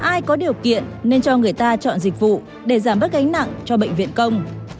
ai có điều kiện nên cho người ta chọn dịch vụ để giảm bớt gánh nặng cho bệnh viện công